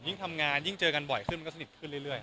ทำงานยิ่งเจอกันบ่อยขึ้นมันก็สนิทขึ้นเรื่อย